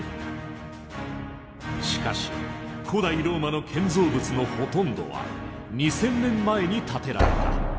しかし古代ローマの建造物のほとんどは２０００年前に建てられた。